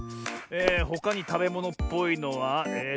ほかにたべものっぽいのはえと。